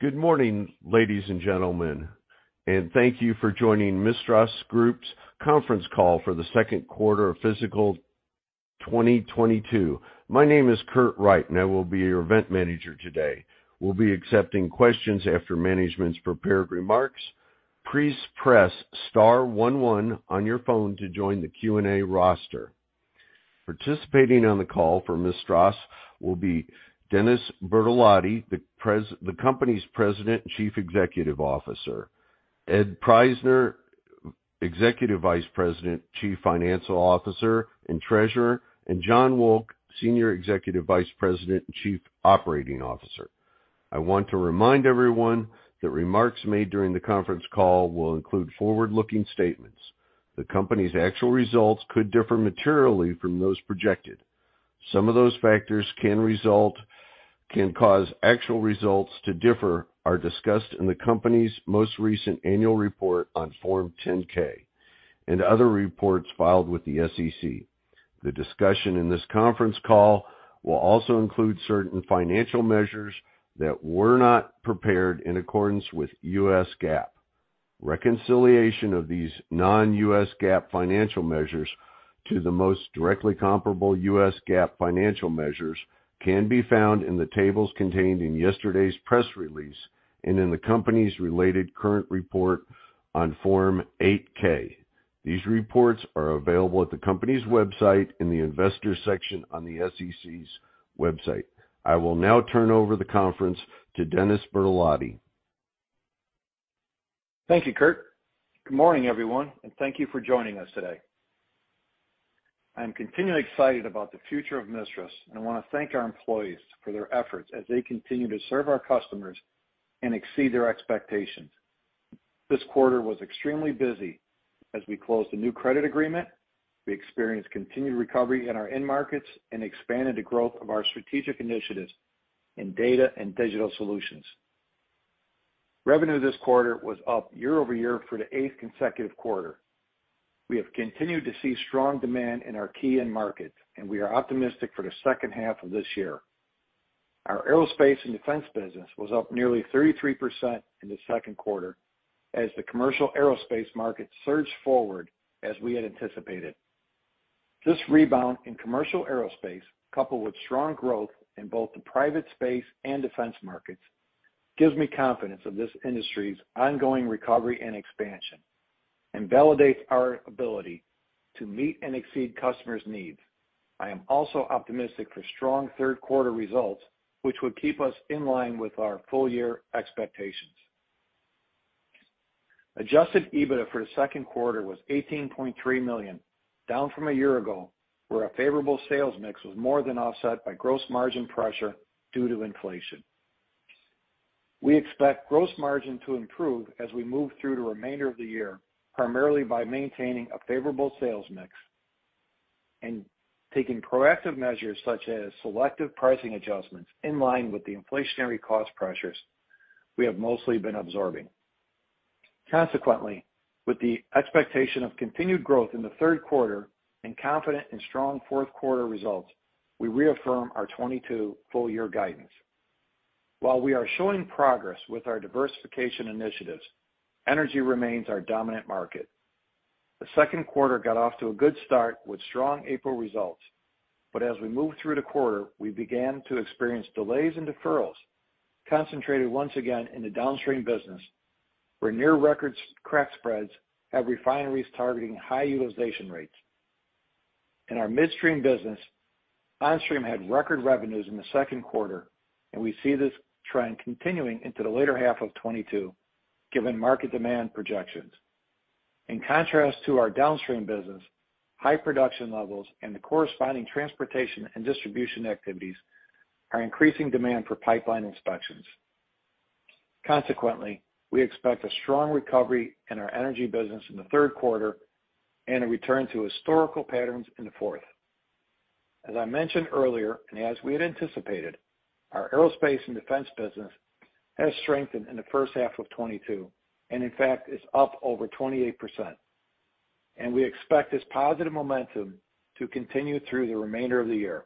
Good morning, ladies and gentlemen, and thank you for joining MISTRAS Group's Conference Call for the Second Quarter of Fiscal 2022. My name is Kurt Wright, and I will be your event manager today. We'll be accepting questions after management's prepared remarks. Please press star one one on your phone to join the Q&A roster. Participating on the call for MISTRAS will be Dennis Bertolotti, the company's President and Chief Executive Officer, Ed Prajzner, Executive Vice President, Chief Financial Officer, and Treasurer, and John Wolk, Senior Executive Vice President and Chief Operating Officer. I want to remind everyone that remarks made during the conference call will include forward-looking statements. The company's actual results could differ materially from those projected. Some of those factors can cause actual results to differ, are discussed in the company's most recent annual report on Form 10-K and other reports filed with the SEC. The discussion in this conference call will also include certain financial measures that were not prepared in accordance with U.S. GAAP. Reconciliation of these non-U.S. GAAP financial measures to the most directly comparable U.S. GAAP financial measures can be found in the tables contained in yesterday's press release and in the company's related current report on Form 8-K. These reports are available at the company's website in the Investors section on the SEC's website. I will now turn over the conference to Dennis Bertolotti. Thank you, Kurt. Good morning, everyone, and thank you for joining us today. I am continually excited about the future of MISTRAS, and I wanna thank our employees for their efforts as they continue to serve our customers and exceed their expectations. This quarter was extremely busy as we closed a new credit agreement, we experienced continued recovery in our end markets, and expanded the growth of our strategic initiatives in data and digital solutions. Revenue this quarter was up year-over-year for the eighth consecutive quarter. We have continued to see strong demand in our key end markets, and we are optimistic for the second half of this year. Our aerospace and defense business was up nearly 33% in the second quarter as the commercial aerospace market surged forward as we had anticipated. This rebound in commercial aerospace, coupled with strong growth in both the private space and defense markets, gives me confidence in this industry's ongoing recovery and expansion and validates our ability to meet and exceed customers' needs. I am also optimistic for strong third quarter results which would keep us in line with our full year expectations. Adjusted EBITDA for the second quarter was $18.3 million, down from a year ago, where a favorable sales mix was more than offset by gross margin pressure due to inflation. We expect gross margin to improve as we move through the remainder of the year, primarily by maintaining a favorable sales mix and taking proactive measures such as selective pricing adjustments in line with the inflationary cost pressures we have mostly been absorbing. Consequently, with the expectation of continued growth in the third quarter and confident in strong fourth quarter results, we reaffirm our 2022 full year guidance. While we are showing progress with our diversification initiatives, energy remains our dominant market. The second quarter got off to a good start with strong April results, but as we moved through the quarter, we began to experience delays and deferrals concentrated once again in the downstream business, where near record crack spreads have refineries targeting high utilization rates. In our midstream business, Onstream had record revenues in the second quarter, and we see this trend continuing into the latter half of 2022, given market demand projections. In contrast to our downstream business, high production levels and the corresponding transportation and distribution activities are increasing demand for pipeline inspections. Consequently, we expect a strong recovery in our energy business in the third quarter and a return to historical patterns in the fourth. As I mentioned earlier, and as we had anticipated, our aerospace and defense business has strengthened in the first half of 2022, and in fact, is up over 28%, and we expect this positive momentum to continue through the remainder of the year.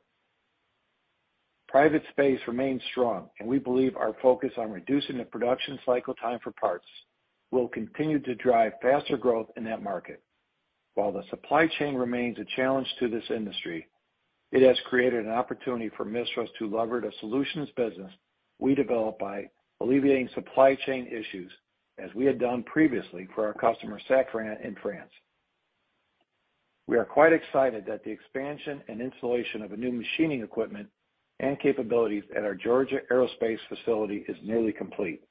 Private space remains strong, and we believe our focus on reducing the production cycle time for parts will continue to drive faster growth in that market. While the supply chain remains a challenge to this industry, it has created an opportunity for MISTRAS to leverage the solutions business we develop by alleviating supply chain issues as we had done previously for our customer, Safran, in France. We are quite excited that the expansion and installation of a new machining equipment and capabilities at our Georgia aerospace facility is nearly complete.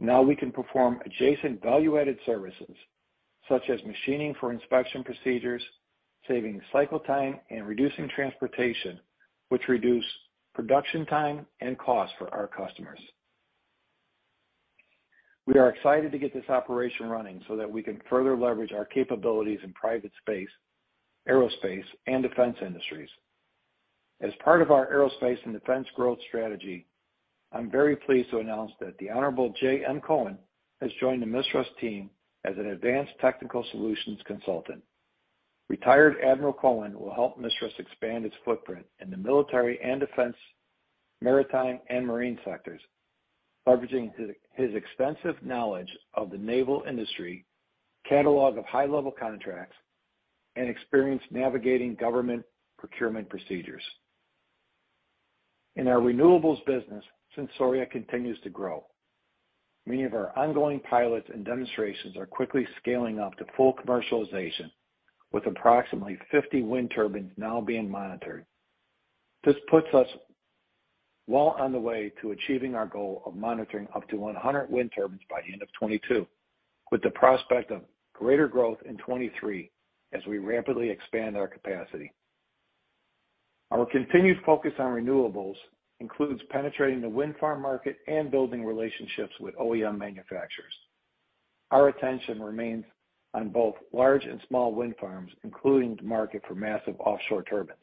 Now we can perform adjacent value-added services such as machining for inspection procedures, saving cycle time and reducing transportation which reduce production time and cost for our customers. We are excited to get this operation running so that we can further leverage our capabilities in private space, aerospace, and defense industries. As part of our aerospace and defense growth strategy, I'm very pleased to announce that the Honorable Jay M. Cohen has joined the MISTRAS team as an advanced technical solutions consultant. Retired Admiral Cohen will help MISTRAS expand its footprint in the military and defense, maritime, and marine sectors, leveraging his extensive knowledge of the naval industry, catalog of high-level contracts, and experience navigating government procurement procedures. In our renewables business, Sensoria continues to grow. Many of our ongoing pilots and demonstrations are quickly scaling up to full commercialization, with approximately 50 wind turbines now being monitored. This puts us well on the way to achieving our goal of monitoring up to 100 wind turbines by the end of 2022, with the prospect of greater growth in 2023 as we rapidly expand our capacity. Our continued focus on renewables includes penetrating the wind farm market and building relationships with OEM manufacturers. Our attention remains on both large and small wind farms, including the market for massive offshore turbines.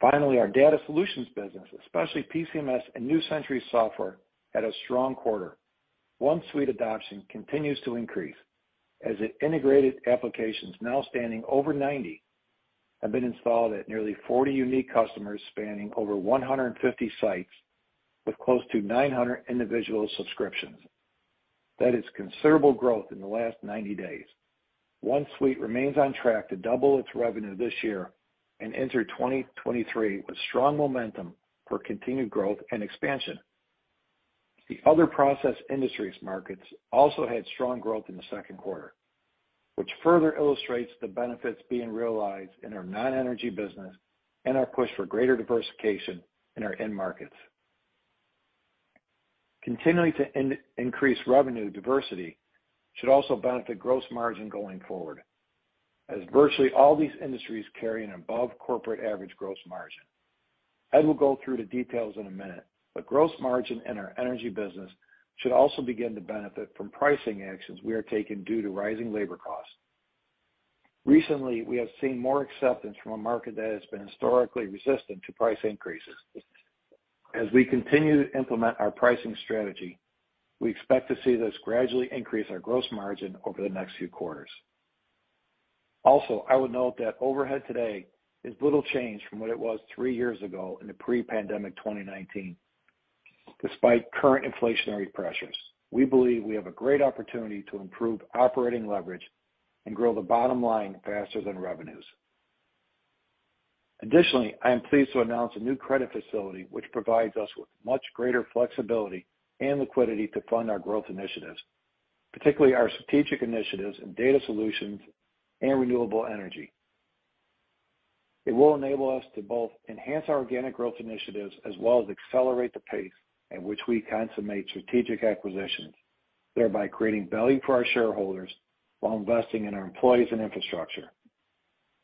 Finally, our data solutions business, especially PCMS and New Century Software, had a strong quarter. OneSuite adoption continues to increase as its integrated applications, now standing over 90, have been installed at nearly 40 unique customers spanning over 150 sites with close to 900 individual subscriptions. That is considerable growth in the last 90 days. OneSuite remains on track to double its revenue this year and enter 2023 with strong momentum for continued growth and expansion. The other process industries markets also had strong growth in the second quarter, which further illustrates the benefits being realized in our non-energy business and our push for greater diversification in our end markets. Continuing to increase revenue diversity should also benefit gross margin going forward, as virtually all these industries carry an above corporate average gross margin. Ed will go through the details in a minute, but gross margin in our energy business should also begin to benefit from pricing actions we are taking due to rising labor costs. Recently, we have seen more acceptance from a market that has been historically resistant to price increases. As we continue to implement our pricing strategy, we expect to see this gradually increase our gross margin over the next few quarters. Also, I would note that overhead today is little change from what it was three years ago in the pre-pandemic 2019. Despite current inflationary pressures, we believe we have a great opportunity to improve operating leverage and grow the bottom line faster than revenues. Additionally, I am pleased to announce a new credit facility which provides us with much greater flexibility and liquidity to fund our growth initiatives, particularly our strategic initiatives in data solutions and renewable energy. It will enable us to both enhance our organic growth initiatives as well as accelerate the pace at which we consummate strategic acquisitions, thereby creating value for our shareholders while investing in our employees and infrastructure.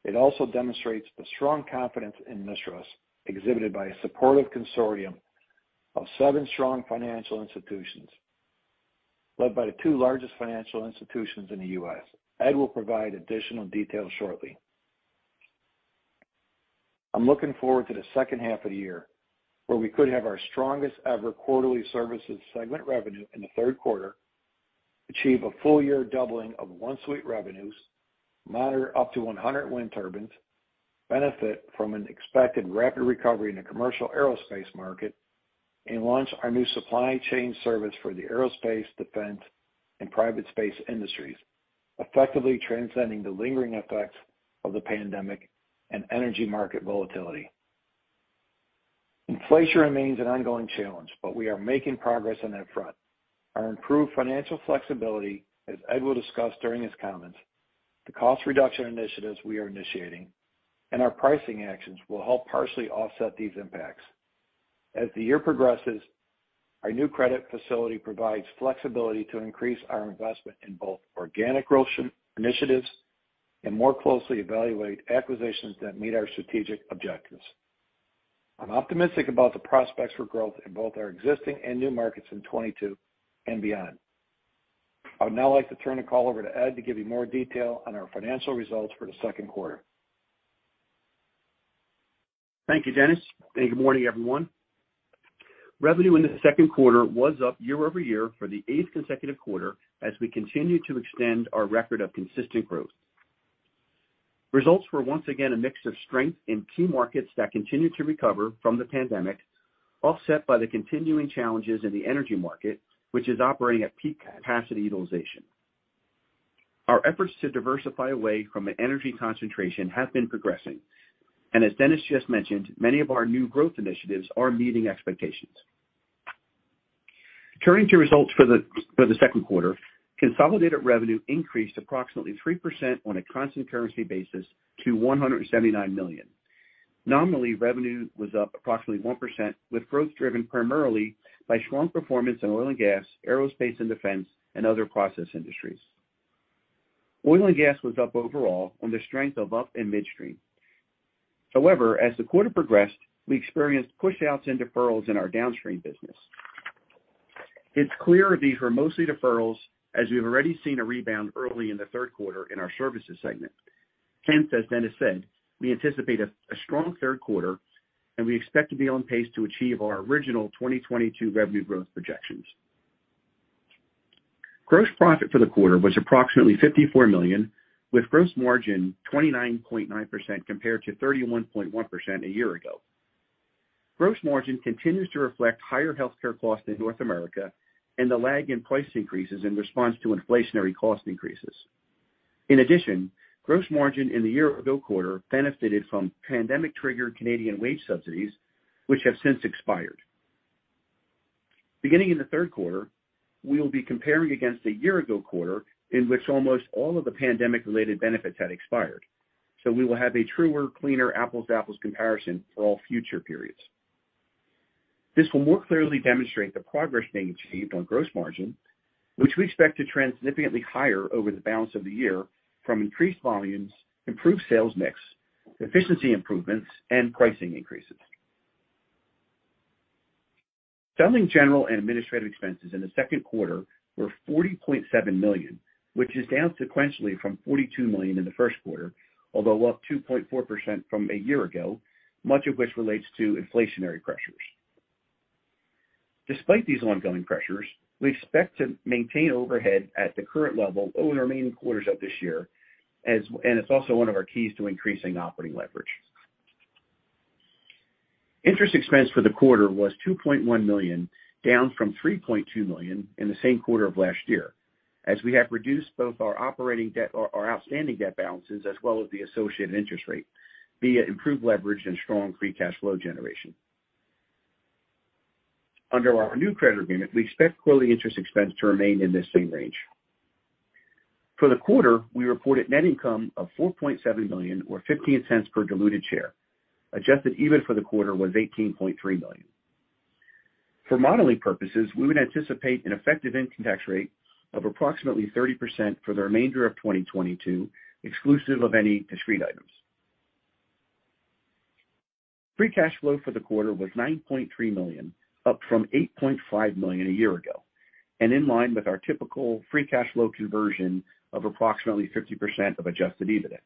It also demonstrates the strong confidence in MISTRAS exhibited by a supportive consortium of seven strong financial institutions led by the two largest financial institutions in the U.S. Ed will provide additional details shortly. I'm looking forward to the second half of the year, where we could have our strongest ever quarterly services segment revenue in the third quarter, achieve a full year doubling of OneSuite revenues, monitor up to 100 wind turbines, benefit from an expected rapid recovery in the commercial aerospace market, and launch our new supply chain service for the aerospace, defense, and private space industries, effectively transcending the lingering effects of the pandemic and energy market volatility. Inflation remains an ongoing challenge, but we are making progress on that front. Our improved financial flexibility, as Ed will discuss during his comments, the cost reduction initiatives we are initiating, and our pricing actions will help partially offset these impacts. As the year progresses, our new credit facility provides flexibility to increase our investment in both organic growth initiatives and more closely evaluate acquisitions that meet our strategic objectives. I'm optimistic about the prospects for growth in both our existing and new markets in 2022 and beyond. I would now like to turn the call over to Ed to give you more detail on our financial results for the second quarter. Thank you, Dennis, and good morning, everyone. Revenue in the second quarter was up year-over-year for the eighth consecutive quarter as we continue to extend our record of consistent growth. Results were once again a mix of strength in key markets that continue to recover from the pandemic, offset by the continuing challenges in the energy market, which is operating at peak capacity utilization. Our efforts to diversify away from an energy concentration have been progressing, and as Dennis just mentioned, many of our new growth initiatives are meeting expectations. Turning to results for the second quarter, consolidated revenue increased approximately 3% on a constant currency basis to $179 million. Nominally, revenue was up approximately 1%, with growth driven primarily by strong performance in oil and gas, aerospace and defense, and other process industries. Oil and gas was up overall on the strength of up and midstream. However, as the quarter progressed, we experienced pushouts and deferrals in our downstream business. It's clear these were mostly deferrals as we've already seen a rebound early in the third quarter in our services segment. Hence, as Dennis said, we anticipate a strong third quarter and we expect to be on pace to achieve our original 2022 revenue growth projections. Gross profit for the quarter was approximately $54 million, with gross margin 29.9% compared to 31.1% a year ago. Gross margin continues to reflect higher healthcare costs in North America and the lag in price increases in response to inflationary cost increases. In addition, gross margin in the year ago quarter benefited from pandemic triggered Canadian wage subsidies, which have since expired. Beginning in the third quarter, we will be comparing against a year ago quarter in which almost all of the pandemic related benefits had expired, so we will have a truer, cleaner apples to apples comparison for all future periods. This will more clearly demonstrate the progress being achieved on gross margin, which we expect to trend significantly higher over the balance of the year from increased volumes, improved sales mix, efficiency improvements and pricing increases. Selling, general and administrative expenses in the second quarter were $40.7 million, which is down sequentially from $42 million in the first quarter, although up 2.4% from a year ago, much of which relates to inflationary pressures. Despite these ongoing pressures, we expect to maintain overhead at the current level over the remaining quarters of this year, and it's also one of our keys to increasing operating leverage. Interest expense for the quarter was $2.1 million, down from $3.2 million in the same quarter of last year, as we have reduced both our operating debt or our outstanding debt balances as well as the associated interest rate via improved leverage and strong free cash flow generation. Under our new credit agreement, we expect quarterly interest expense to remain in this same range. For the quarter, we reported net income of $4.7 million or $0.15 per diluted share. Adjusted EBITDA for the quarter was $18.3 million. For modeling purposes, we would anticipate an effective income tax rate of approximately 30% for the remainder of 2022, exclusive of any discrete items. Free cash flow for the quarter was $9.3 million, up from $8.5 million a year ago, and in line with our typical free cash flow conversion of approximately 50% of Adjusted EBITDA.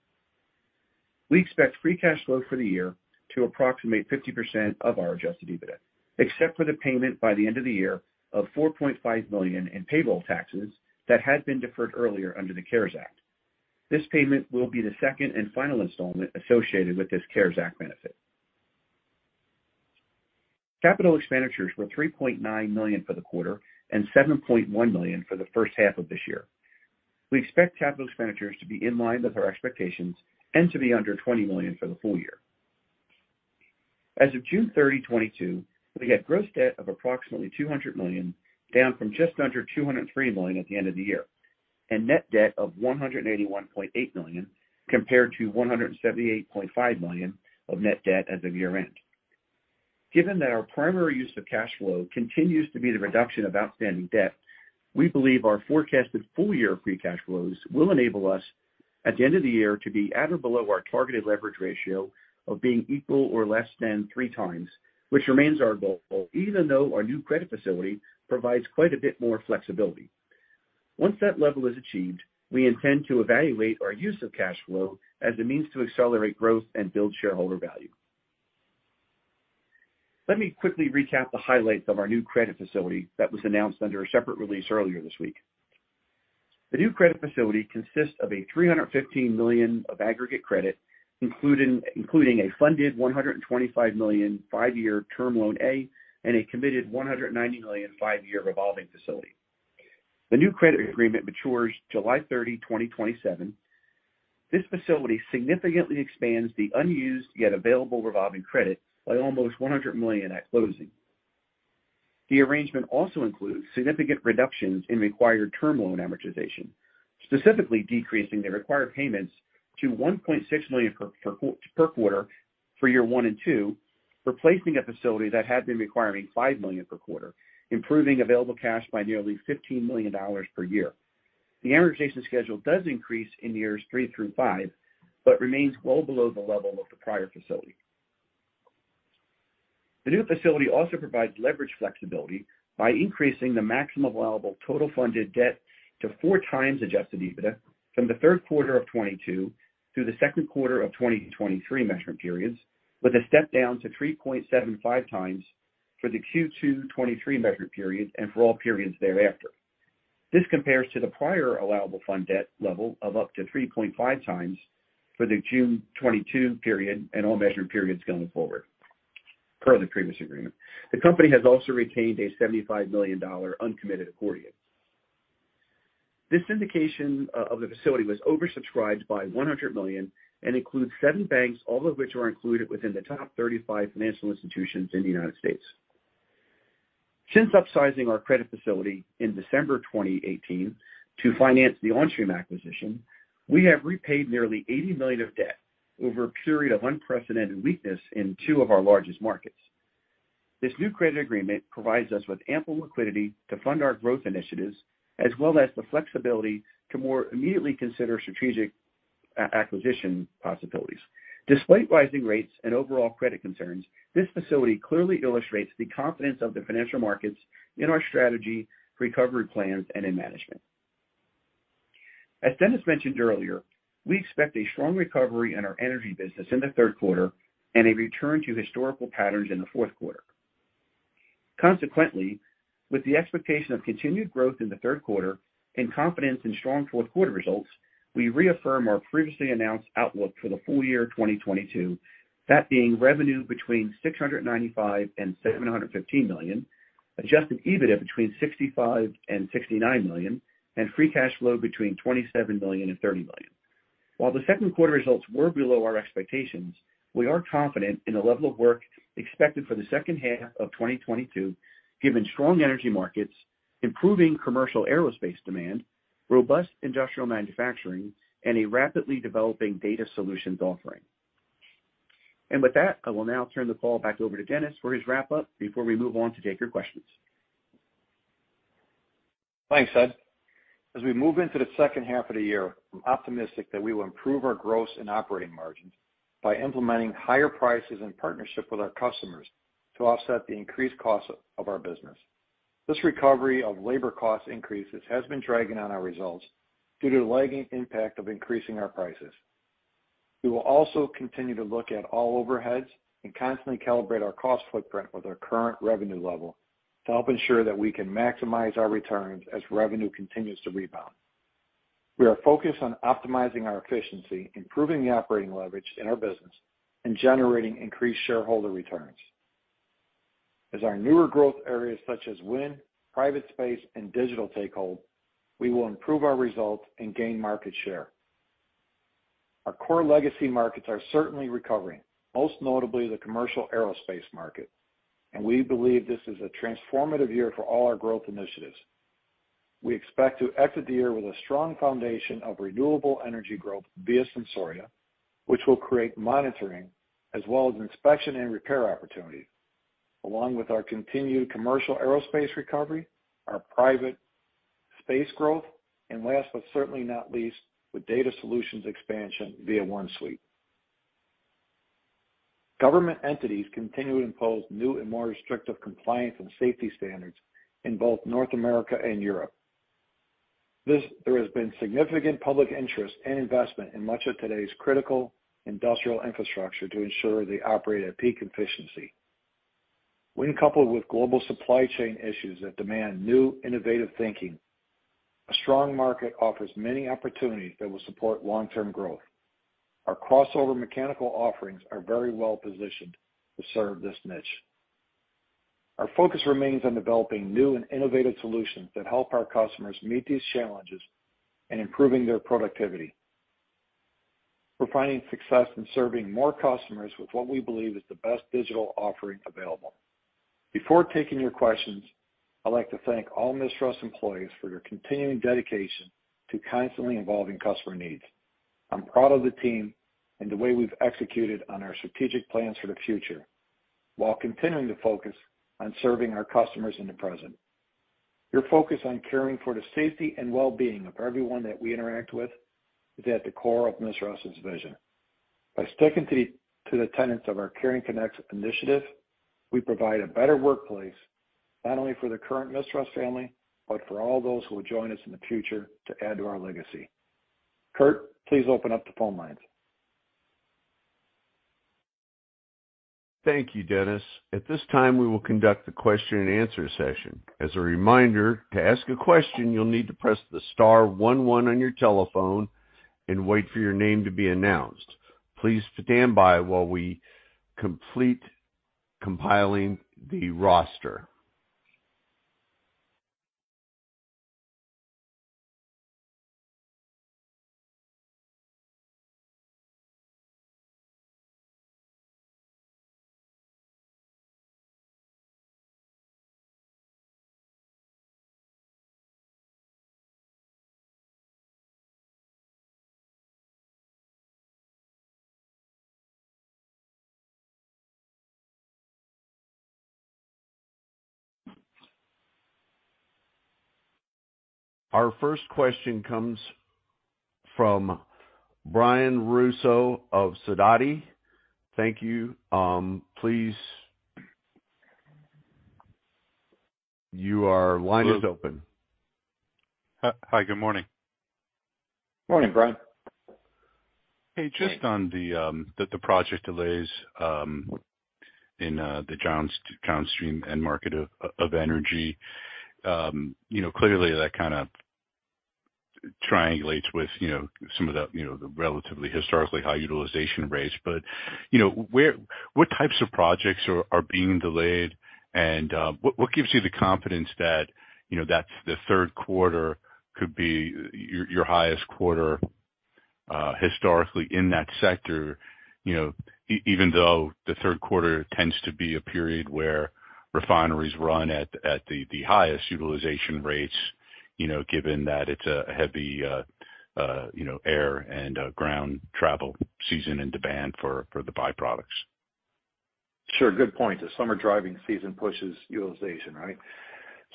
We expect free cash flow for the year to approximate 50% of our Adjusted EBITDA, except for the payment by the end of the year of $4.5 million in payroll taxes that had been deferred earlier under the CARES Act. This payment will be the second and final installment associated with this CARES Act benefit. Capital expenditures were $3.9 million for the quarter and $7.1 million for the first half of this year. We expect capital expenditures to be in line with our expectations and to be under $20 million for the full year. As of June 30, 2022, we had gross debt of approximately $200 million, down from just under $203 million at the end of the year, and net debt of $181.8 million, compared to $178.5 million of net debt as of year-end. Given that our primary use of cash flow continues to be the reduction of outstanding debt, we believe our forecasted full year free cash flows will enable us at the end of the year to be at or below our targeted leverage ratio of being equal or less than 3x, which remains our goal, even though our new credit facility provides quite a bit more flexibility. Once that level is achieved, we intend to evaluate our use of cash flow as a means to accelerate growth and build shareholder value. Let me quickly recap the highlights of our new credit facility that was announced under a separate release earlier this week. The new credit facility consists of $315 million of aggregate credit, including a funded $125 million five-year Term Loan A and a committed $190 million five-year revolving facility. The new credit agreement matures July 30, 2027. This facility significantly expands the unused yet available revolving credit by almost $100 million at closing. The arrangement also includes significant reductions in required term loan amortization, specifically decreasing the required payments to $1.6 million per quarter for year one and two, replacing a facility that had been requiring $5 million per quarter, improving available cash by nearly $15 million per year. The amortization schedule does increase in years three through five, but remains well below the level of the prior facility. The new facility also provides leverage flexibility by increasing the maximum allowable total funded debt to 4x Adjusted EBITDA from the third quarter of 2022 through the second quarter of 2023 measurement periods, with a step down to 3.75x for the Q2 2023 measurement period and for all periods thereafter. This compares to the prior allowable funded debt level of up to 3.5x for the June 2022 period and all measurement periods going forward per the previous agreement. The company has also retained a $75 million uncommitted accordion. The syndication of the facility was oversubscribed by $100 million and includes seven banks, all of which are included within the top 35 financial institutions in the United States. Since upsizing our credit facility in December 2018 to finance the Onstream acquisition, we have repaid nearly $80 million of debt over a period of unprecedented weakness in two of our largest markets. This new credit agreement provides us with ample liquidity to fund our growth initiatives, as well as the flexibility to more immediately consider strategic acquisition possibilities. Despite rising rates and overall credit concerns, this facility clearly illustrates the confidence of the financial markets in our strategy, recovery plans and in management. As Dennis mentioned earlier, we expect a strong recovery in our energy business in the third quarter and a return to historical patterns in the fourth quarter. Consequently, with the expectation of continued growth in the third quarter and confidence in strong fourth quarter results, we reaffirm our previously announced outlook for the full year 2022, that being revenue between $695 million-$715 million, Adjusted EBIT between $65 million-$69 million, and free cash flow between $27 million-$30 million. While the second quarter results were below our expectations, we are confident in the level of work expected for the second half of 2022, given strong energy markets, improving commercial aerospace demand, robust industrial manufacturing, and a rapidly developing data solutions offering. With that, I will now turn the call back over to Dennis for his wrap-up before we move on to take your questions. Thanks, Ed. As we move into the second half of the year, I'm optimistic that we will improve our gross and operating margins by implementing higher prices in partnership with our customers to offset the increased cost of our business. This recovery of labor cost increases has been dragging on our results due to the lagging impact of increasing our prices. We will also continue to look at all overheads and constantly calibrate our cost footprint with our current revenue level to help ensure that we can maximize our returns as revenue continues to rebound. We are focused on optimizing our efficiency, improving the operating leverage in our business, and generating increased shareholder returns. As our newer growth areas such as wind, private space, and digital take hold, we will improve our results and gain market share. Our core legacy markets are certainly recovering, most notably the commercial aerospace market, and we believe this is a transformative year for all our growth initiatives. We expect to exit the year with a strong foundation of renewable energy growth via Sensoria, which will create monitoring as well as inspection and repair opportunities, along with our continued commercial aerospace recovery, our private space growth, and last, but certainly not least, with data solutions expansion via OneSuite. Government entities continue to impose new and more restrictive compliance and safety standards in both North America and Europe. There has been significant public interest and investment in much of today's critical industrial infrastructure to ensure they operate at peak efficiency. When coupled with global supply chain issues that demand new innovative thinking, a strong market offers many opportunities that will support long-term growth. Our crossover mechanical offerings are very well positioned to serve this niche. Our focus remains on developing new and innovative solutions that help our customers meet these challenges and improving their productivity. We're finding success in serving more customers with what we believe is the best digital offering available. Before taking your questions, I'd like to thank all MISTRAS employees for your continuing dedication to constantly evolving customer needs. I'm proud of the team and the way we've executed on our strategic plans for the future while continuing to focus on serving our customers in the present. Your focus on caring for the safety and well-being of everyone that we interact with is at the core of MISTRAS' vision. By sticking to the tenets of our Caring Connects initiative, we provide a better workplace, not only for the current MISTRAS family, but for all those who will join us in the future to add to our legacy. Kurt, please open up the phone lines. Thank you, Dennis. At this time, we will conduct the question and answer session. As a reminder, to ask a question, you'll need to press the star one one on your telephone and wait for your name to be announced. Please stand by while we complete compiling the roster. Our first question comes from Brian Russo of Sidoti & Company. Thank you. Please, your line is open. Hi. Good morning. Morning, Brian. Hey, just on the project delays in the downstream end market of energy. You know, clearly that kind of triangulates with, you know, some of the, you know, the relatively historically high utilization rates. You know, what types of projects are being delayed? And what gives you the confidence that, you know, that's the third quarter could be your highest quarter historically in that sector? You know, even though the third quarter tends to be a period where refineries run at the highest utilization rates, you know, given that it's a heavy, you know, air and ground travel season and demand for the byproducts. Sure. Good point. The summer driving season pushes utilization, right?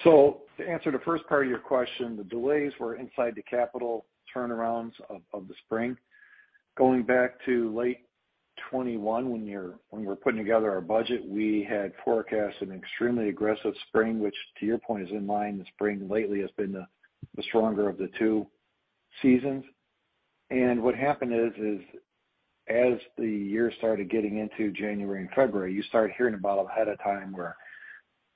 To answer the first part of your question, the delays were inside the capital turnarounds of the spring, going back to late 2021, when we were putting together our budget, we had forecast an extremely aggressive spring, which to your point is in line. The spring lately has been the stronger of the two seasons. What happened is as the year started getting into January and February, you start hearing about ahead of time where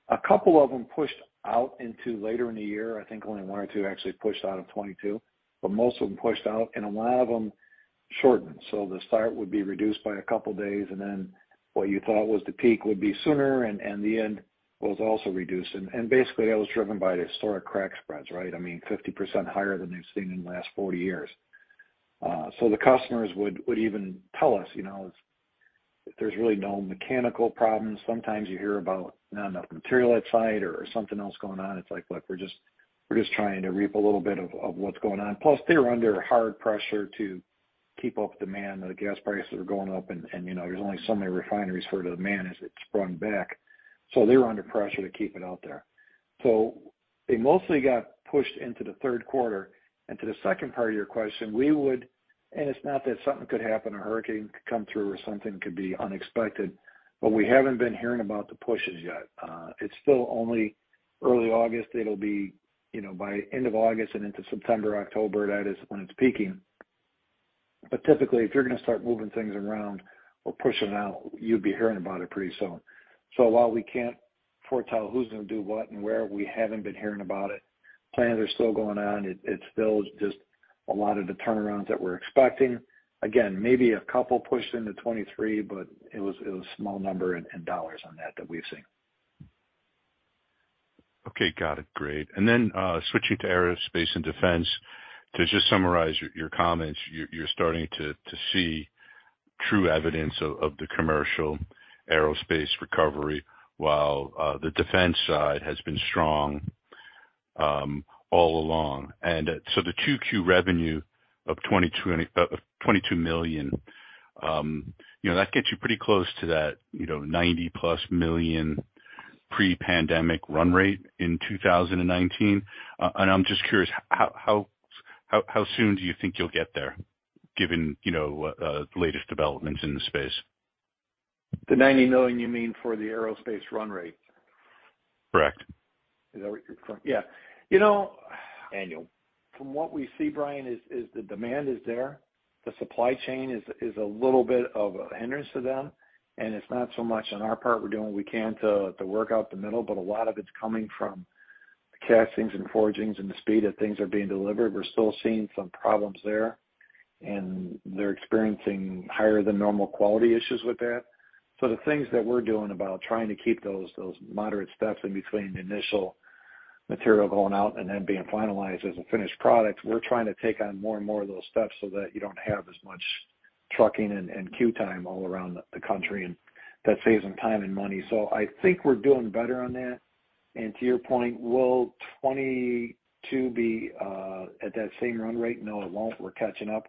a couple of them pushed out into later in the year. I think only one or two actually pushed out of 2022, but most of them pushed out and a lot of them shortened. The start would be reduced by a couple days, and then what you thought was the peak would be sooner and the end was also reduced. Basically that was driven by the historic crack spreads, right? I mean, 50% higher than they've seen in the last 40 years. The customers would even tell us, you know, there's really no mechanical problems. Sometimes you hear about not enough material at site or something else going on. It's like, "Look, we're just trying to reap a little bit of what's going on." Plus, they're under hard pressure to keep up demand. The gas prices are going up and, you know, there's only so many refineries for the demand as it's sprung back. They're under pressure to keep it out there. They mostly got pushed into the third quarter. To the second part of your question, it's not that something could happen, a hurricane could come through or something could be unexpected, but we haven't been hearing about the pushes yet. It's still only early August. It'll be, you know, by end of August and into September, October, that is when it's peaking. Typically, if you're gonna start moving things around or pushing out, you'd be hearing about it pretty soon. While we can't foretell who's gonna do what and where, we haven't been hearing about it, plans are still going on. It's still just a lot of the turnarounds that we're expecting. Again, maybe a couple pushed into 2023, but it was small number in dollars on that we've seen. Okay. Got it. Great. Switching to aerospace and defense. To just summarize your comments, you're starting to see true evidence of the commercial aerospace recovery while the defense side has been strong all along. The 2Q revenue of $22 million, you know, that gets you pretty close to that, you know, $90+ million pre-pandemic run rate in 2019. I'm just curious, how soon do you think you'll get there given, you know, latest developments in the space? The $90 million you mean for the aerospace run rate? Correct. Is that what you're referring? Yeah. You know, annual. From what we see, Brian, the demand is there. The supply chain is a little bit of a hindrance to them, and it's not so much on our part. We're doing what we can to work out the middle, but a lot of it's coming from the castings and forgings and the speed that things are being delivered. We're still seeing some problems there, and they're experiencing higher than normal quality issues with that. The things that we're doing about trying to keep those moderate steps in between the initial material going out and then being finalized as a finished product, we're trying to take on more and more of those steps so that you don't have as much trucking and queue time all around the country, and that's saving time and money. I think we're doing better on that. To your point, will 2022 be at that same run rate? No, it won't. We're catching up.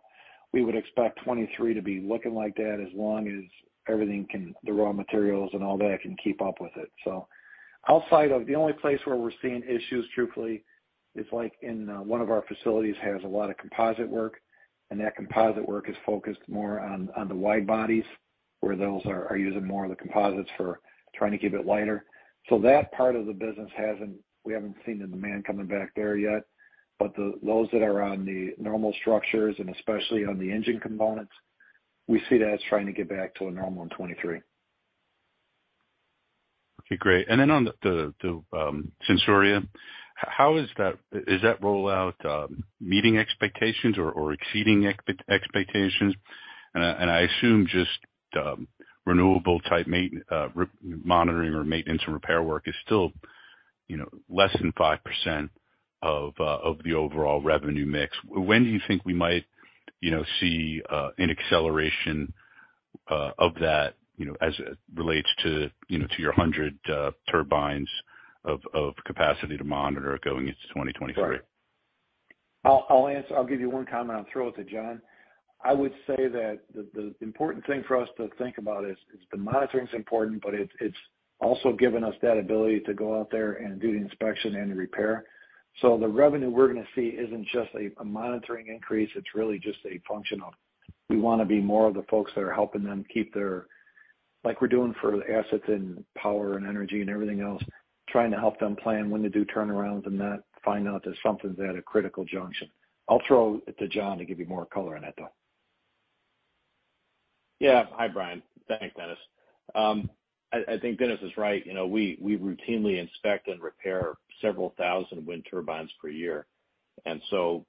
We would expect 2023 to be looking like that as long as everything can, the raw materials and all that can keep up with it. Outside of the only place where we're seeing issues truthfully is like in one of our facilities has a lot of composite work, and that composite work is focused more on the wide bodies, where those are using more of the composites for trying to keep it lighter. That part of the business we haven't seen the demand coming back there yet. Those that are on the normal structures and especially on the engine components, we see that's trying to get back to a normal in 2023. Okay. Great. Then on the Sensoria, how is that rollout meeting expectations or exceeding expectations? I assume just renewable type monitoring or maintenance and repair work is still, you know, less than 5% of the overall revenue mix. When do you think we might see an acceleration of that as it relates to your 100 turbines of capacity to monitor going into 2023? Right. I'll answer. I'll give you one comment and throw it to John. I would say that the important thing for us to think about is the monitoring's important, but it's also given us that ability to go out there and do the inspection and the repair. The revenue we're gonna see isn't just a monitoring increase, it's really just a function of we wanna be more of the folks that are helping them keep their, like we're doing for assets and power and energy and everything else, trying to help them plan when to do turnarounds and not find out that something's at a critical junction. I'll throw it to John to give you more color on that, though. Yeah. Hi, Brian. Thanks, Dennis. I think Dennis is right. You know, we routinely inspect and repair several thousand wind turbines per year.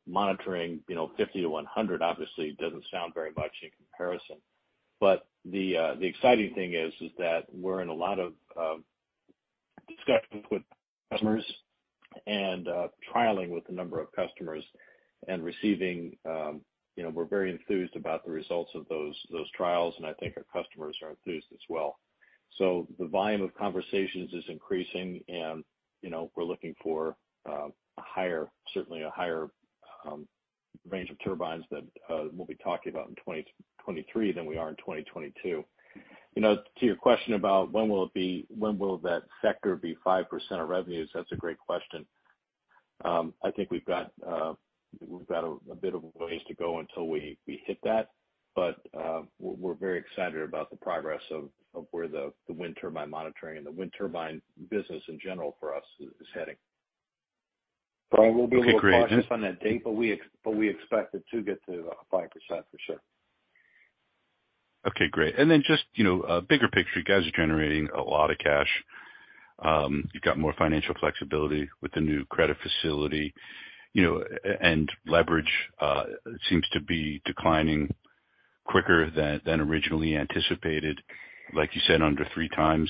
Monitoring, you know, 50-100 obviously doesn't sound very much in comparison. But the exciting thing is that we're in a lot of discussions with customers and trialing with a number of customers and receiving, you know, we're very enthused about the results of those trials, and I think our customers are enthused as well. The volume of conversations is increasing and, you know, we're looking for a higher, certainly a higher, range of turbines that we'll be talking about in 2023 than we are in 2022. You know, to your question about when will that sector be 5% of revenues? That's a great question. I think we've got a bit of a ways to go until we hit that. We're very excited about the progress of where the wind turbine monitoring and the wind turbine business in general for us is heading. Well. We'll be a little cautious on that date, but we expect it to get to 5% for sure. Okay, great. Then just, you know, bigger picture, you guys are generating a lot of cash. You've got more financial flexibility with the new credit facility, you know, and leverage seems to be declining quicker than originally anticipated, like you said, under three times,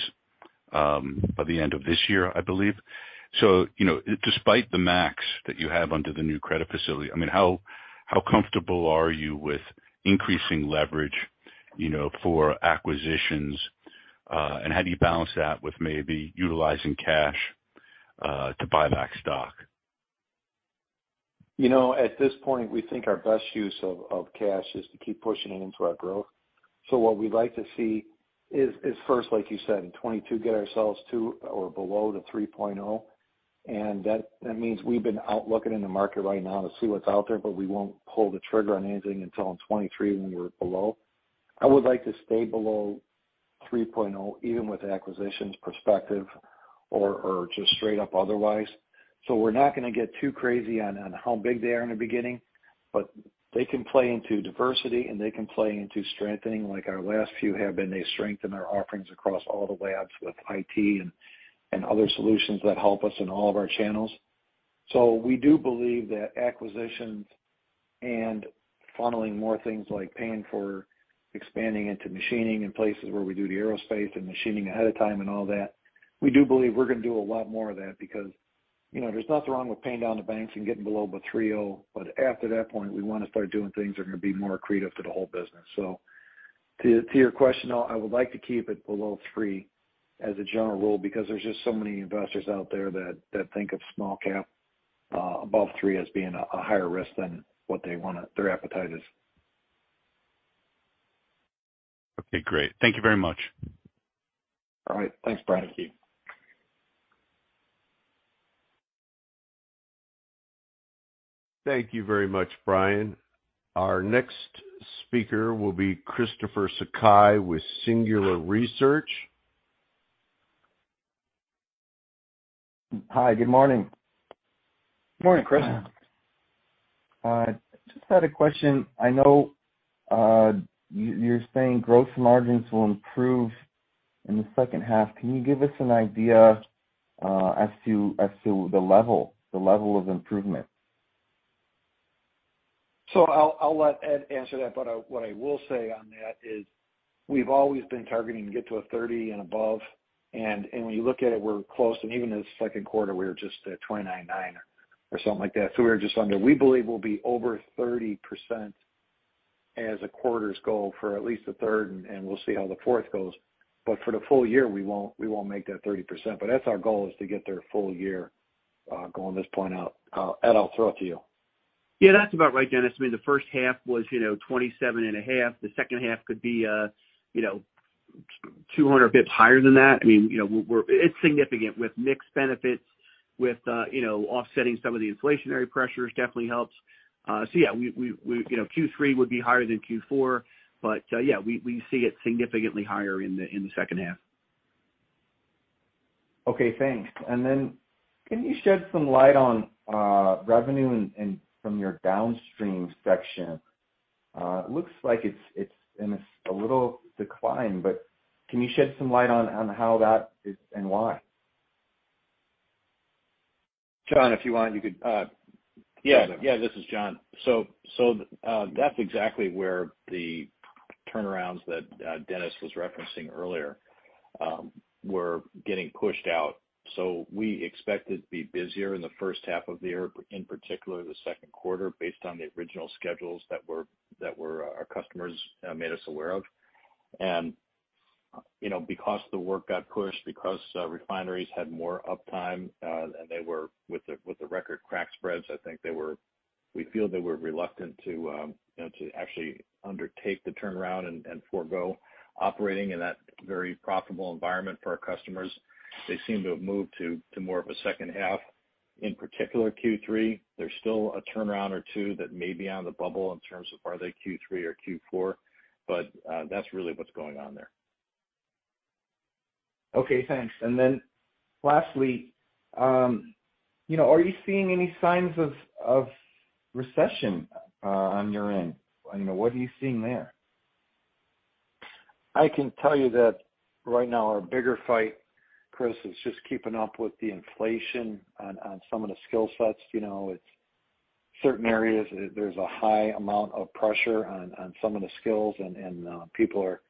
by the end of this year, I believe. You know, despite the max that you have under the new credit facility, I mean, how comfortable are you with increasing leverage, you know, for acquisitions, and how do you balance that with maybe utilizing cash to buy back stock? You know, at this point, we think our best use of cash is to keep pushing it into our growth. What we'd like to see is first, like you said, in 2022, get ourselves to or below the 3.0, and that means we've been out looking in the market right now to see what's out there, but we won't pull the trigger on anything until in 2023 when we're below. I would like to stay below 3.0, even with acquisitions perspective or just straight up otherwise. We're not gonna get too crazy on how big they are in the beginning, but they can play into diversity, and they can play into strengthening like our last few have been. They strengthen our offerings across all the way out with IT and other solutions that help us in all of our channels. We do believe that acquisitions and funneling more things like paying for expanding into machining in places where we do the aerospace and machining ahead of time and all that. We do believe we're gonna do a lot more of that because, you know, there's nothing wrong with paying down the banks and getting below the 3.0, but after that point, we wanna start doing things that are gonna be more accretive to the whole business. To your question, though, I would like to keep it below three as a general rule because there's just so many investors out there that think of small-cap above three as being a higher risk than what they want to their appetite is. Okay, great. Thank you very much. All right. Thanks, Brian. Thank you very much, Brian. Our next speaker will be Christopher Sakai with Singular Research. Hi. Good morning. Good morning, Chris. Just had a question. I know, you're saying gross margins will improve in the second half. Can you give us an idea, as to the level of improvement? I'll let Ed answer that, but what I will say on that is we've always been targeting to get to a 30% and above. When you look at it, we're close. Even in the second quarter, we were just at 29.9% or something like that. We were just under. We believe we'll be over 30% as the quarters go for at least the third, and we'll see how the fourth goes. For the full year, we won't make that 30%. That's our goal, is to get there full year, going this point out. Ed, I'll throw it to you. Yeah, that's about right, Dennis. I mean, the first half was, you know, 27.5%. The second half could be, you know, 200 basis points higher than that. I mean, you know, it's significant with mix benefits, with, you know, offsetting some of the inflationary pressures definitely helps. Yeah, we, you know, Q3 would be higher than Q4. Yeah, we see it significantly higher in the second half. Okay, thanks. Then can you shed some light on revenue from your downstream section? It looks like it's in a little decline, but can you shed some light on how that is and why? John, if you want, you could. Yeah. Yeah, this is John. That's exactly where the turnarounds that Dennis was referencing earlier were getting pushed out. We expected to be busier in the first half of the year, in particular the second quarter, based on the original schedules that our customers made us aware of. You know, because the work got pushed, because refineries had more uptime and they were with the record crack spreads, I think they were. We feel they were reluctant to, you know, to actually undertake the turnaround and forgo operating in that very profitable environment for our customers. They seem to have moved to more of a second half, in particular Q3. There's still a turnaround or two that may be on the bubble in terms of are they Q3 or Q4? That's really what's going on there. Okay, thanks. Lastly, you know, are you seeing any signs of recession on your end? You know, what are you seeing there? I can tell you that right now our bigger fight, Chris, is just keeping up with the inflation on some of the skill sets. You know, it's certain areas there's a high amount of pressure on some of the skills and people are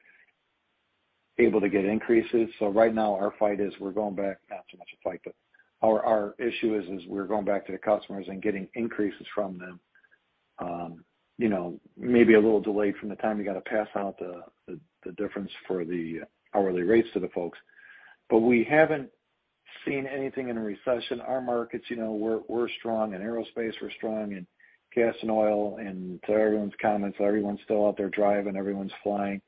able to get increases. So right now our fight is, not so much a fight, but our issue is we're going back to the customers and getting increases from them. You know, maybe a little delayed from the time you got to pass out the difference for the hourly rates to the folks. But we haven't seen anything in a recession. Our markets, you know, we're strong in aerospace, we're strong in gas and oil. To everyone's comments, everyone's still out there driving, everyone's flying.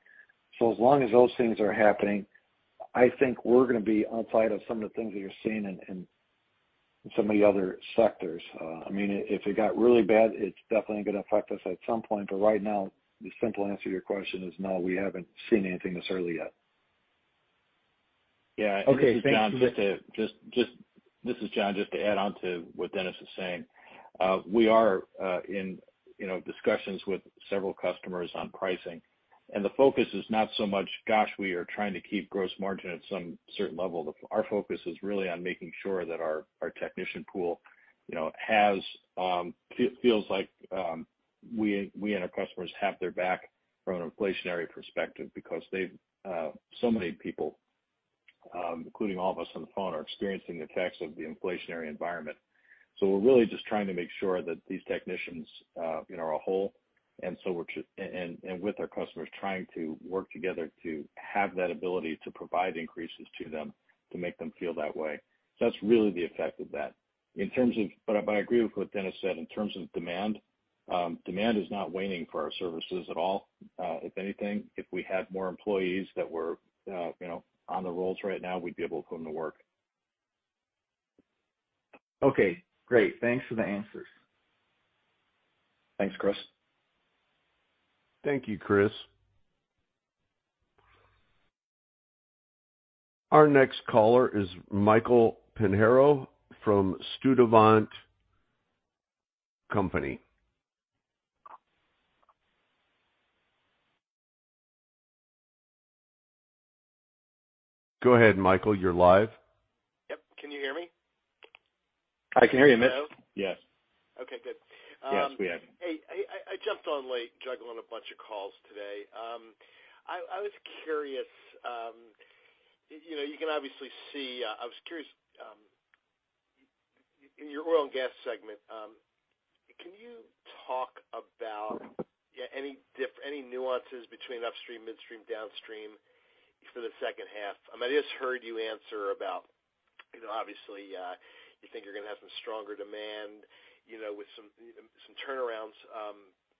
As long as those things are happening I think we're gonna be outside of some of the things that you're seeing in some of the other sectors. I mean, if it got really bad, it's definitely gonna affect us at some point. Right now, the simple answer to your question is no, we haven't seen anything this early yet. Yeah. Okay. Thank you, Chris. This is John. Just to add on to what Dennis is saying. We are in, you know, discussions with several customers on pricing, and the focus is not so much, gosh, we are trying to keep gross margin at some certain level. Our focus is really on making sure that our technician pool, you know, feels like we and our customers have their back from an inflationary perspective because so many people, including all of us on the phone, are experiencing the effects of the inflationary environment. We're really just trying to make sure that these technicians, you know, are whole and with our customers, trying to work together to have that ability to provide increases to them to make them feel that way. That's really the effect of that. I agree with what Dennis said in terms of demand. Demand is not waning for our services at all. If anything, if we had more employees that were you know on the rolls right now, we'd be able to put them to work. Okay, great. Thanks for the answers. Thanks, Chris. Thank you, Chris. Our next caller is Mitchell Pinheiro from Sturdivant & Co. Go ahead, Mitchell. You're live. Yep. Can you hear me? I can hear you, Mitch. Hello? Yes. Okay, good. Yes, we have you. Hey, I jumped on late juggling a bunch of calls today. I was curious in your oil and gas segment. Can you talk about any nuances between upstream, midstream, downstream for the second half? I mean, I just heard you answer about, you know, obviously, you think you're gonna have some stronger demand, you know, with some turnarounds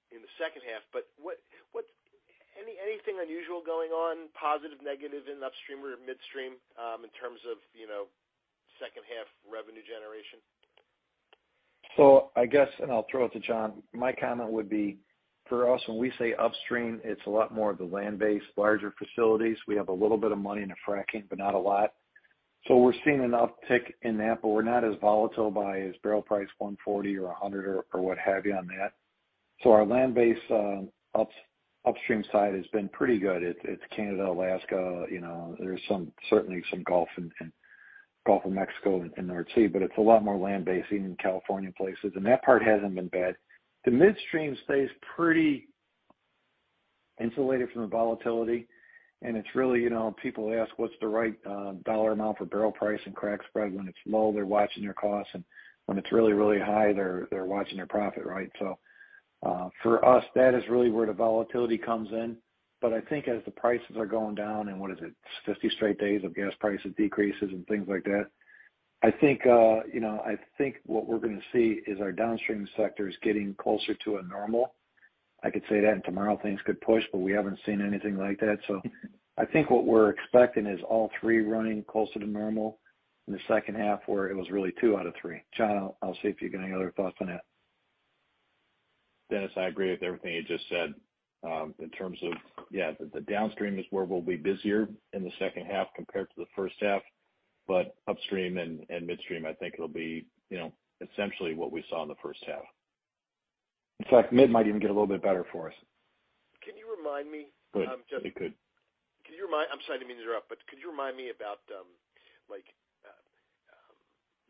in the second half. Anything unusual going on, positive, negative in upstream or midstream in terms of, you know, second half revenue generation? I guess, and I'll throw it to John, my comment would be for us, when we say upstream, it's a lot more of the land-based larger facilities. We have a little bit of money into fracking, but not a lot. We're seeing an uptick in that, but we're not as volatile by barrel price $140 or $100 or what have you on that. Our land-based upstream side has been pretty good. It's Canada, Alaska, you know, there's some certainly some Gulf and Gulf of Mexico in there too, but it's a lot more land-based even in California places, and that part hasn't been bad. The midstream stays pretty insulated from the volatility, and it's really, you know, people ask what's the right dollar amount for barrel price and crack spread. When it's low, they're watching their costs and when it's really, really high, they're watching their profit, right? For us, that is really where the volatility comes in. I think as the prices are going down and what is it, 50 straight days of gas prices decreases and things like that, I think you know, I think what we're gonna see is our downstream sectors getting closer to a normal. I could say that and tomorrow things could push, but we haven't seen anything like that. I think what we're expecting is all three running closer to normal in the second half where it was really two out of three. John, I'll see if you got any other thoughts on that. Dennis, I agree with everything you just said. In terms of, the downstream is where we'll be busier in the second half compared to the first half. Upstream and midstream, I think it'll be, you know, essentially what we saw in the first half. In fact, midstream might even get a little bit better for us. Can you remind me? It could. I'm sorry to interrupt, but could you remind me about, like,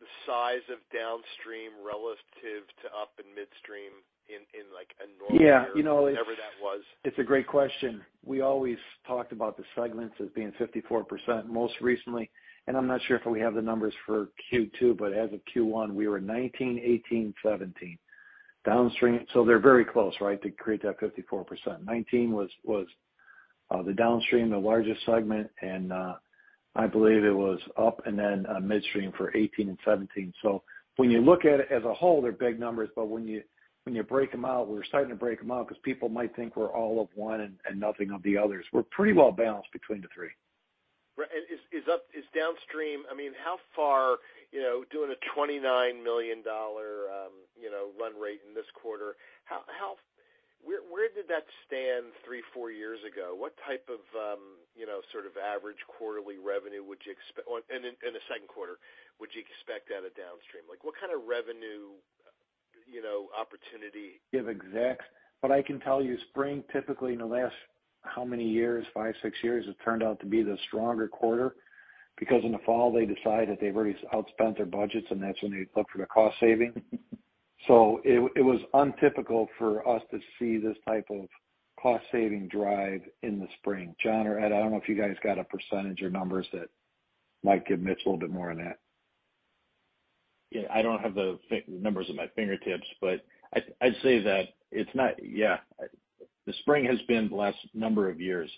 the size of downstream relative to up and midstream in like a normal year? Yeah. Whatever that was? It's a great question. We always talked about the segments as being 54% most recently, and I'm not sure if we have the numbers for Q2, but as of Q1, we were 19%, 18%, 17%. Downstream. They're very close, right? To create that 54%. 19% was the downstream, the largest segment, and I believe it was upstream and then midstream for 18% and 17%. When you look at it as a whole, they're big numbers, but when you break them out, we're starting to break them out because people might think we're all of one and nothing of the others. We're pretty well balanced between the three. Right. Is downstream up, I mean, how far, you know, doing a $29 million run rate in this quarter, where did that stand three, four years ago? What type of, you know, sort of average quarterly revenue and in the second quarter, would you expect out of downstream? Like, what kind of revenue, you know, opportunity? Give exact. What I can tell you, in spring, typically in the last five, six years, it turned out to be the stronger quarter because in the fall they decide that they've already outspent their budgets and that's when they look for the cost saving. It was untypical for us to see this type of cost saving drive in the spring. John or Ed, I don't know if you guys got a percentage or numbers that might give Mitch a little bit more on that. Yeah, I don't have the numbers at my fingertips, but I'd say that it's not. Yeah. The spring has been the busier time the last number of years.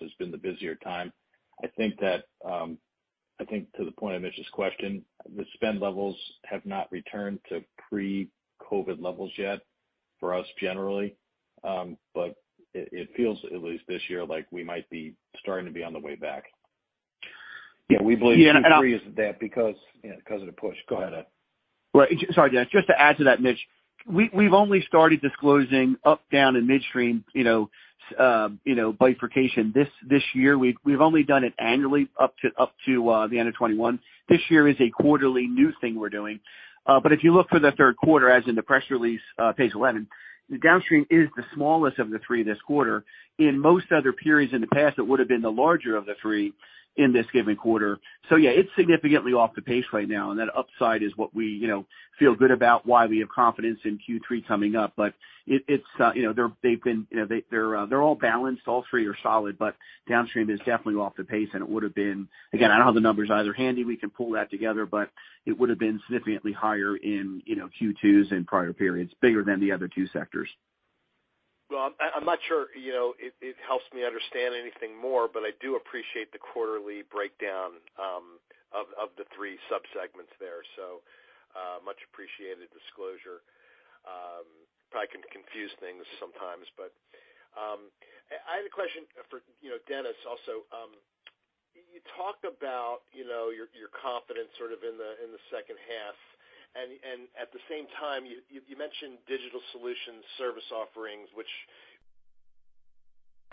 I think to the point of Mitch's question, the spend levels have not returned to pre-COVID levels yet. For us generally. It feels at least this year, like we might be starting to be on the way back. Yeah, we believe. Yeah, Q3 isn't that because, you know, 'cause of the push? Go ahead. Well, sorry, Dennis. Just to add to that, Mitch, we've only started disclosing upstream, downstream, and midstream, you know, bifurcation this year. We've only done it annually up to the end of 2021. This year is a quarterly new thing we're doing. But if you look for the third quarter in the press release, page 11, the downstream is the smallest of the three this quarter. In most other periods in the past, it would've been the larger of the three in this given quarter. Yeah, it's significantly off the pace right now, and that upside is what we you know feel good about why we have confidence in Q3 coming up. It's you know, they've been you know, they're all balanced, all three are solid, but downstream is definitely off the pace, and it would've been. Again, I don't have the numbers either handy. We can pull that together, but it would've been significantly higher in you know, Q2s and prior periods, bigger than the other two sectors. Well, I'm not sure, you know, it helps me understand anything more, but I do appreciate the quarterly breakdown of the three sub-segments there. Much appreciated disclosure. Probably can confuse things sometimes. I had a question for, you know, Dennis also. You talked about, you know, your confidence sort of in the second half, and at the same time, you mentioned digital solutions service offerings which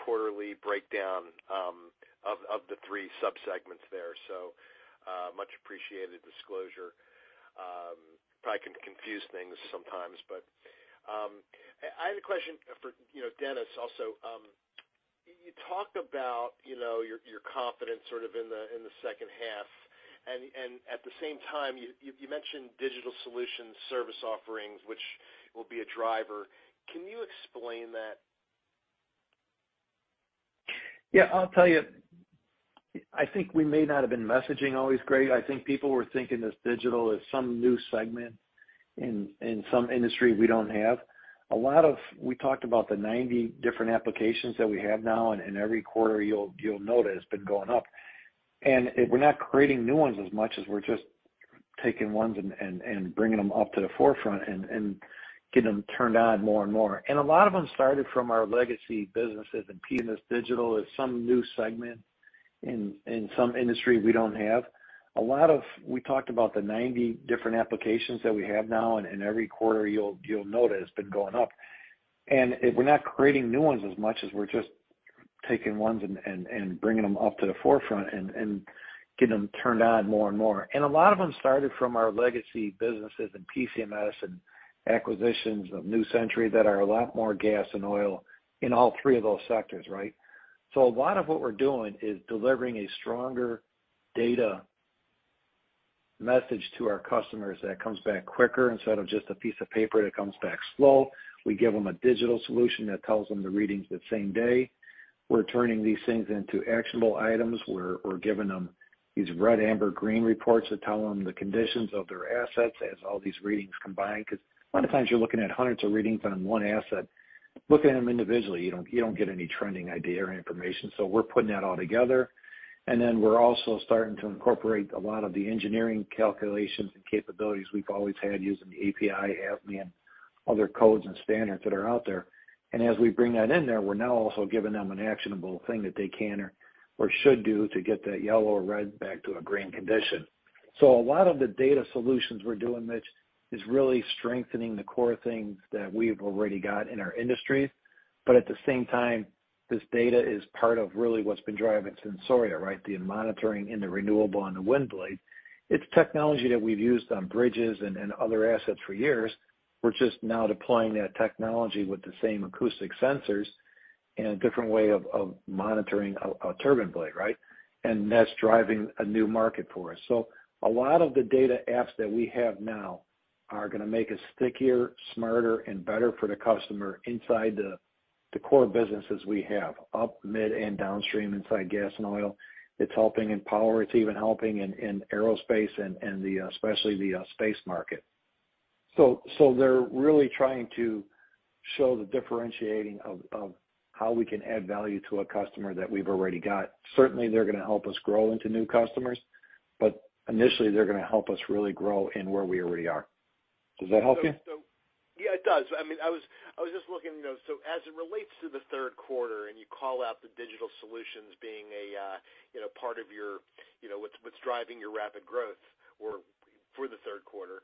quarterly breakdown of the three sub-segments there. Much appreciated disclosure. Probably can confuse things sometimes. I had a question for, you know, Dennis also. You talked about, you know, your confidence sort of in the second half, and at the same time, you mentioned digital solutions service offerings, which will be a driver. Can you explain that? Yeah. I'll tell you, I think we may not have been messaging always great. I think people were thinking this digital as some new segment in some industry we don't have. A lot of we talked about the 90 different applications that we have now, and every quarter you'll notice them going up. We're not creating new ones as much as we're just taking ones and bringing them up to the forefront and getting them turned on more and more. A lot of them started from our legacy businesses and PCMS digital as some new segment in some industry we don't have. A lot of we talked about the 90 different applications that we have now, and every quarter you'll notice them going up. We're not creating new ones as much as we're just taking ones and bringing them up to the forefront and getting them turned on more and more. A lot of them started from our legacy businesses and PCMS and acquisitions of New Century that are a lot more gas and oil in all three of those sectors, right? A lot of what we're doing is delivering a stronger data message to our customers that comes back quicker instead of just a piece of paper that comes back slow. We give them a digital solution that tells them the readings the same day. We're turning these things into actionable items. We're giving them these red amber green reports that tell them the conditions of their assets as all these readings combined. Because a lot of times you're looking at hundreds of readings on one asset. Looking at them individually, you don't get any trending idea or information. We're putting that all together. Then we're also starting to incorporate a lot of the engineering calculations and capabilities we've always had using the API, ASME, and other codes and standards that are out there. As we bring that in there, we're now also giving them an actionable thing that they can or should do to get that yellow or red back to a green condition. A lot of the data solutions we're doing, Mitch, is really strengthening the core things that we've already got in our industries. At the same time, this data is part of really what's been driving Sensoria, right? The monitoring in the renewable and the wind blade. It's technology that we've used on bridges and other assets for years. We're just now deploying that technology with the same acoustic sensors in a different way of monitoring a turbine blade, right? That's driving a new market for us. A lot of the data apps that we have now are gonna make us stickier, smarter, and better for the customer inside the core businesses we have, up, mid, and downstream inside gas and oil. It's helping in power. It's even helping in aerospace and especially the space market. They're really trying to show the differentiating of how we can add value to a customer that we've already got. Certainly, they're gonna help us grow into new customers, but initially, they're gonna help us really grow in where we already are. Does that help you? Yeah, it does. I mean, I was just looking, you know. As it relates to the third quarter, you call out the digital solutions being a you know, part of your you know, what's driving your rapid growth for the third quarter.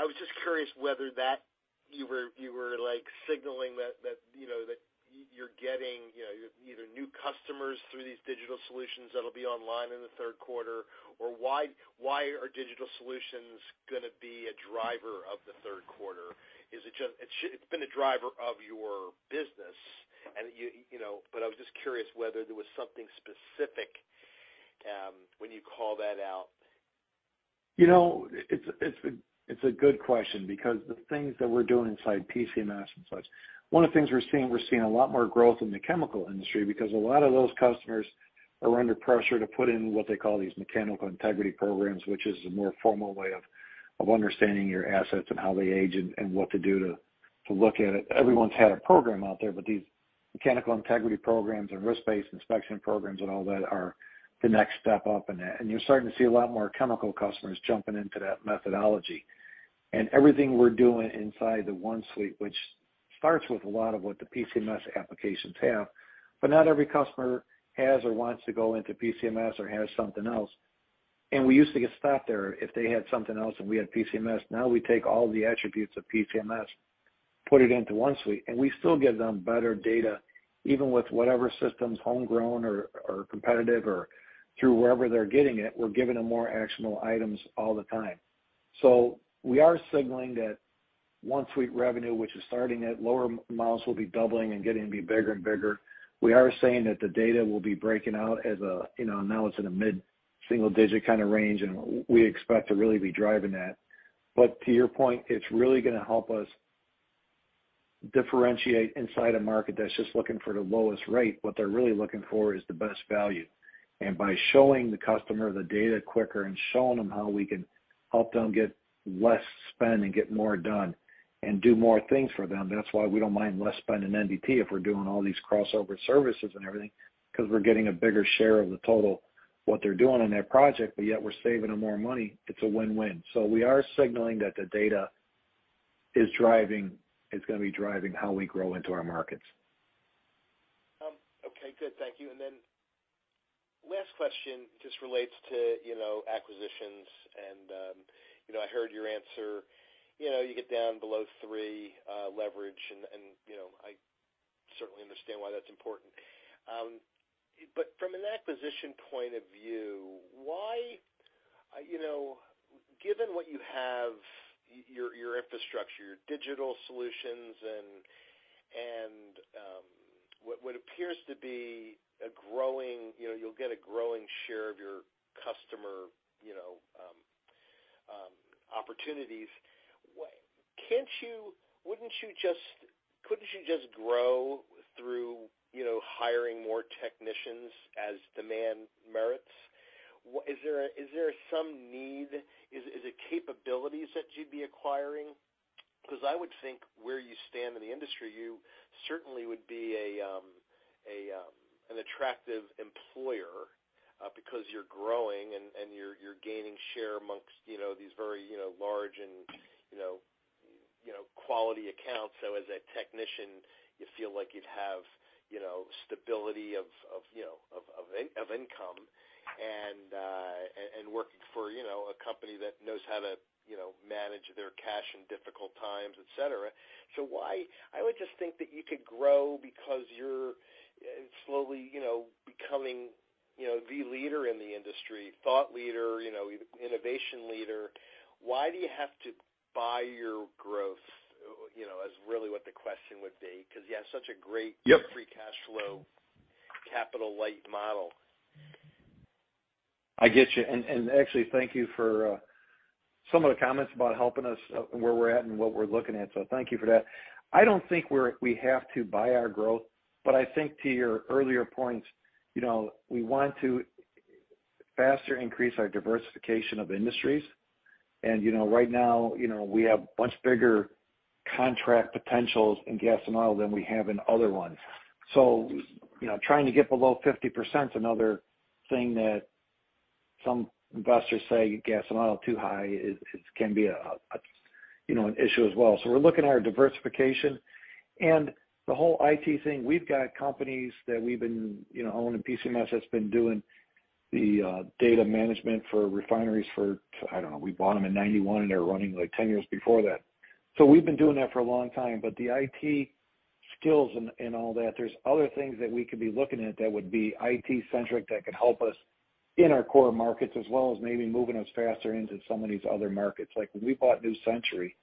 I was just curious whether you were like signaling that you know, that you're getting you know, either new customers through these digital solutions that'll be online in the third quarter or why are digital solutions gonna be a driver of the third quarter? Is it just. It's been a driver of your business and you know. I was just curious whether there was something specific when you call that out. You know, it's a good question because the things that we're doing inside PCMS and such, one of the things we're seeing, a lot more growth in the chemical industry because a lot of those customers are under pressure to put in what they call these mechanical integrity programs, which is a more formal way of understanding your assets and how they age and what to do to look at it. Everyone's had a program out there, but these mechanical integrity programs and risk-based inspection programs and all that are the next step up. You're starting to see a lot more chemical customers jumping into that methodology. Everything we're doing inside the OneSuite, which starts with a lot of what the PCMS applications have, but not every customer has or wants to go into PCMS or has something else. We used to get stopped there if they had something else and we had PCMS. Now we take all the attributes of PCMS, put it into OneSuite, and we still give them better data, even with whatever systems, homegrown or competitive or through wherever they're getting it, we're giving them more actionable items all the time. We are signaling that OneSuite revenue, which is starting at low multiples, will be doubling and getting to be bigger and bigger. We are saying that the data will be breaking out as a, you know, now it's in a mid-single digit kind of range, and we expect to really be driving that. To your point, it's really gonna help us differentiate inside a market that's just looking for the lowest rate. What they're really looking for is the best value. By showing the customer the data quicker and showing them how we can help them get less spend and get more done and do more things for them, that's why we don't mind less spend in NDT if we're doing all these crossover services and everything, 'cause we're getting a bigger share of the total, what they're doing on that project, but yet we're saving them more money. It's a win-win. We are signaling that the data is gonna be driving how we grow into our markets. Okay, good. Thank you. Last question just relates to, you know, acquisitions and, you know, I heard your answer, you know, you get down below three leverage and, you know, I certainly understand why that's important. But from an acquisition point of view, why, you know, given what you have, your infrastructure, your digital solutions and, what appears to be a growing, you know, you'll get a growing share of your customer, you know, opportunities. Couldn't you just grow through, you know, hiring more technicians as demand merits? Is there some need? Is it capabilities that you'd be acquiring? Cause I would think where you stand in the industry, you certainly would be an attractive employer, because you're growing and you're gaining share among, you know, these very, you know, large and, you know, quality accounts. As a technician, you feel like you'd have, you know, stability of income and working for, you know, a company that knows how to, you know, manage their cash in difficult times, et cetera. Why, I would just think that you could grow because you're slowly, you know, becoming, you know, the leader in the industry, thought leader, you know, innovation leader. Why do you have to buy your growth, you know, is really what the question would be, cause you have such a great- Yep. free cash flow, capital-light model. I get you. Actually thank you for some of the comments about helping us where we're at and what we're looking at. Thank you for that. I don't think we have to buy our growth, but I think to your earlier points, you know, we want to faster increase our diversification of industries. You know, right now, you know, we have much bigger contract potentials in gas and oil than we have in other ones. You know, trying to get below 50%'s another thing that some investors say gas and oil too high is can be a you know, an issue as well. We're looking at our diversification. The whole IT thing, we've got companies that we've been, you know, owning PCMS that's been doing the data management for refineries for, I don't know, we bought them in 1991, and they were running like 10 years before that. We've been doing that for a long time. The IT skills and all that, there's other things that we could be looking at that would be IT-centric that could help us in our core markets as well as maybe moving us faster into some of these other markets. Like when we bought New Century,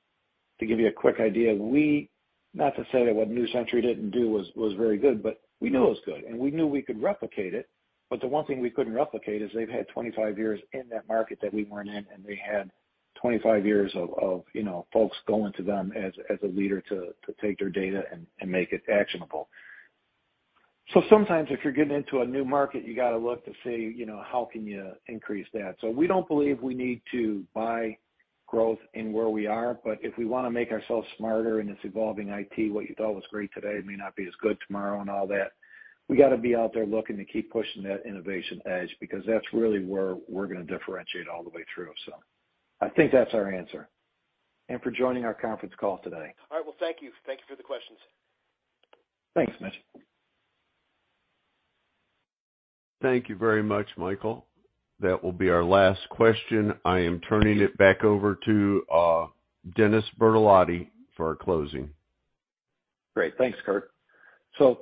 to give you a quick idea, not to say that what New Century didn't do was very good, but we knew it was good, and we knew we could replicate it. The one thing we couldn't replicate is they've had 25 years in that market that we weren't in, and they had 25 years of, you know, folks going to them as a leader to take their data and make it actionable. Sometimes if you're getting into a new market, you gotta look to see, you know, how can you increase that. We don't believe we need to buy growth in where we are, but if we wanna make ourselves smarter in this evolving IT, what you thought was great today may not be as good tomorrow and all that, we gotta be out there looking to keep pushing that innovation edge because that's really where we're gonna differentiate all the way through. I think that's our answer. For joining our conference call today. All right. Well, thank you. Thank you for the questions. Thanks, Mitch. Thank you very much, Michael. That will be our last question. I am turning it back over to, Dennis Bertolotti for our closing. Great. Thanks, Kurt.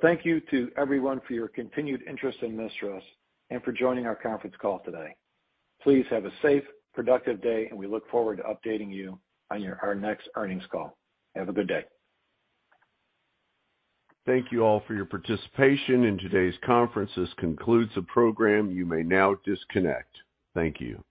Thank you to everyone for your continued interest in MISTRAS and for joining our conference call today. Please have a safe, productive day, and we look forward to updating you on our next earnings call. Have a good day. Thank you all for your participation in today's conference. This concludes the program. You may now disconnect. Thank you.